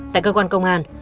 tại cơ quan công an